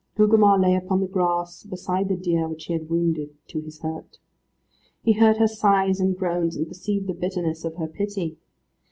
Gugemar lay upon the grass, beside the deer which he had wounded to his hurt. He heard her sighs and groans, and perceived the bitterness of her pity.